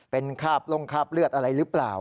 เป็นคราบลงคราบเลือดอะไรหรือเปล่า